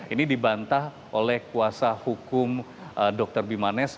ini dibantah oleh kuasa hukum dr bimanesh